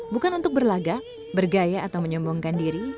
bukan untuk berlaga bergaya atau menyombongkan diri